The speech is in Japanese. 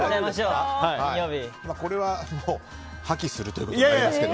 これは破棄するということになりますけど。